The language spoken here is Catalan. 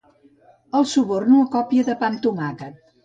El suborno a còpia de pa amb tomàquet.